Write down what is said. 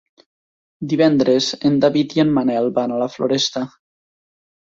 Divendres en David i en Manel van a la Floresta.